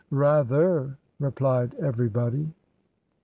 "Rather," replied everybody.